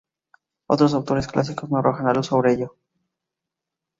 Otros autores clásicos no arrojan luz sobre ello.